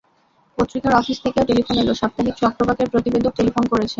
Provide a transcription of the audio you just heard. পত্রিকার অফিস থেকেও টেলিফোন এল সাপ্তাহিক চক্রবাকের প্রতিবেদক টেলিফোন করেছেন।